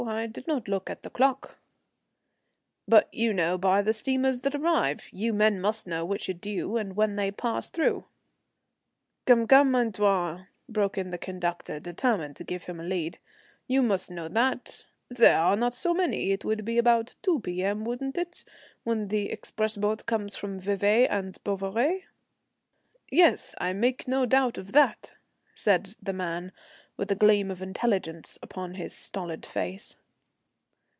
I did not look at the clock." "But you know by the steamers that arrive. You men must know which are due, and when they pass through." "Come, come, Antoine," broke in the conductor, determined to give him a lead, "you must know that; there are not so many. It would be about 2 P.M., wouldn't it, when the express boat comes from Vevey and Bouveret?" "Yes, I make no doubt of that," said the man, with a gleam of intelligence upon his stolid face.